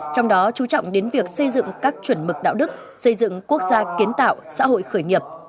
trong đó chú trọng đến việc xây dựng các chuẩn mực đạo đức xây dựng quốc gia kiến tạo xã hội khởi nghiệp